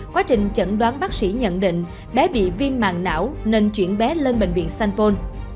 quá trình chẩn đoán bác sĩ nhận định bé bị viêm mạng não nên chuyển bé lên bệnh viện sanpon